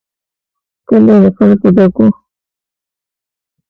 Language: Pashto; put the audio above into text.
کلی له خلکو ډک و.